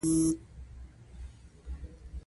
نو ځکه یې موږ د قاعدې تر عنوان لاندې یادوو.